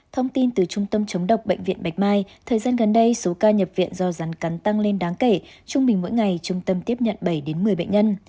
thông tin từ trung tâm chống độc bệnh viện bạch mai thời gian gần đây số ca nhập viện do rắn cắn tăng lên đáng kể trung bình mỗi ngày trung tâm tiếp nhận bảy một mươi bệnh nhân